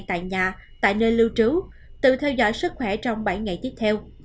tại nhà tại nơi lưu trú tự theo dõi sức khỏe trong bảy ngày tiếp theo